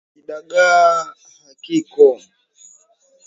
Kidagaa hakiko.